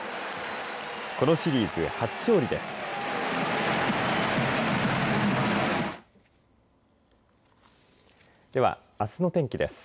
このシリーズ初勝利です。